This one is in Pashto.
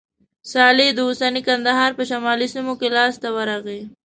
صالح د اوسني کندهار په شمالي سیمو کې لاسته ورغی.